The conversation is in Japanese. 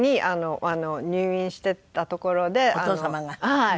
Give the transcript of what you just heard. はい。